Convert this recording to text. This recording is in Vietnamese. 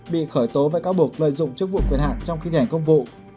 bị khởi tố với cáo buộc lợi dụng chức vụ quyền hạn trong khi thể hành công vụ